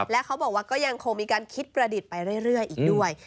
และเขาบอกว่าก็ยังคงมีการคิดประดิษฐ์ไปเรื่อยอีกด้วย